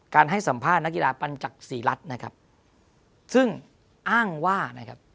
ให้สัมภาษณ์นักกีฬาปัญจักษีรัฐนะครับซึ่งอ้างว่านะครับ